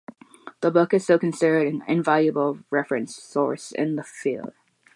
The book is still considered an invaluable reference source in the field.